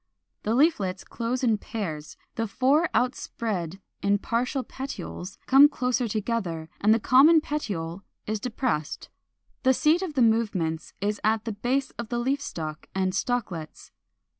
The leaflets close in pairs, the four outspread partial petioles come closer together, and the common petiole is depressed. The seat of the movements is at the base of the leaf stalk and stalklets.